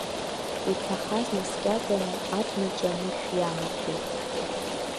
Иҭахаз наскьаганы, абнаҿы анышә иамардеит.